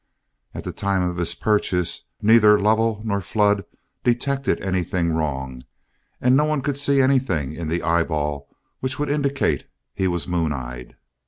At the time of his purchase, neither Lovell nor Flood detected anything wrong, and no one could see anything in the eyeball which would indicate he was moon eyed.